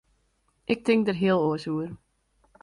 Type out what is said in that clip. Ik tink der heel oars oer.